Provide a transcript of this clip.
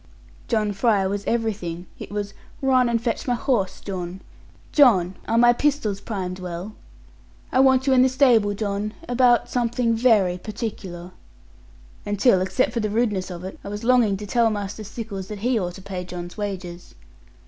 John Fry was everything: it was 'run and fetch my horse, John' 'John, are my pistols primed well?' 'I want you in the stable, John, about something very particular', until except for the rudeness of it, I was longing to tell Master Stickles that he ought to pay John's wages.